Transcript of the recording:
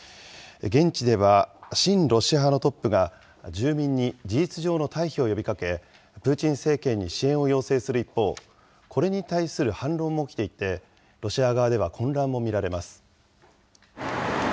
現地では、親ロシア派のトップが、住民に事実上の退避を呼びかけ、プーチン政権に支援を要請する一方、これに対する反論も起きていて、ロシア側では混乱も見られます。